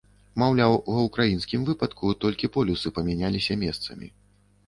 Маўляў, ва ўкраінскім выпадку толькі полюсы памяняліся месцамі.